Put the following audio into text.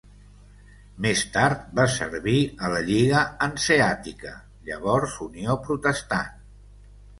Més tard va servir a la Lliga hanseàtica, llavors Unió protestant.